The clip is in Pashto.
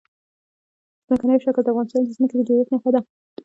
ځمکنی شکل د افغانستان د ځمکې د جوړښت نښه ده.